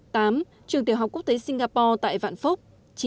tám trường tiểu học quốc tế singapore tại vạn phúc